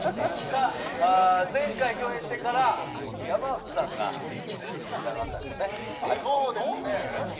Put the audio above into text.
前回、共演してから山内さんが、めっちゃ仲良くなったんですよね。